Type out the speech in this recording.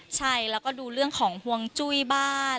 ใช่แล้วก็ดูเรื่องของห่วงจุ้ยบ้าน